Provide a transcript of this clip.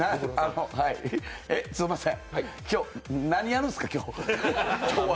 はい、すみません、今日何やるんですか？